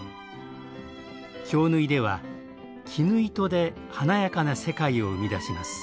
京繍では絹糸で華やかな世界を生み出します。